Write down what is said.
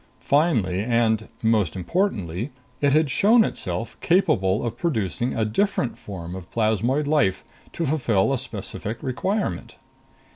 Finally, and most importantly, it had shown itself capable of producing a different form of plasmoid life to fulfill a specific requirement.